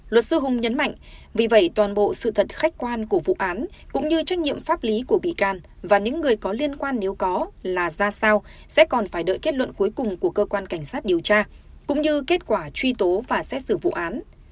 luật sư hùng nhấn mạnh vì vậy toàn bộ sự thật khách quan của vụ án cũng như trách nhiệm pháp lý của bị can và những người có liên quan nếu có là ra sao sẽ còn phải đợi kết luận cuối cùng của cơ quan cảnh sát điều tra cũng như kết quả truy tố và xét xử vụ án